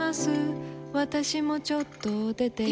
私もちょっと出ています。